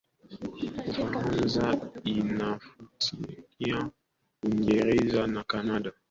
ufaransa inafuatia uingereza na canada